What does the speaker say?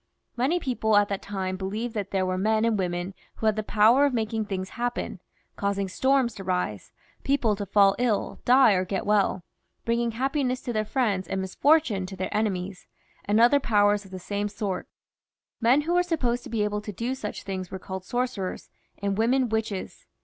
Many people at that time believed that there were men and women who had the power of making things happen ; causing storms to rise, people to fall ill, die, or get well, bringing happiness to their friends, and misfortune to their enemies ; and other powers of the same sort. Men who were supposed to be able to do such things were called sorcerers, and women witches.